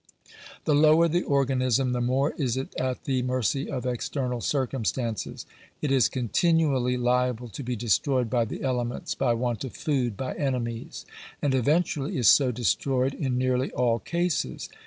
The lower the organism, the more is it at the mercy of external circumstances. It is continually liable to be destroyed by the elements, by want of food, by enemies ; and eventually is so destroyed in nearly all cases.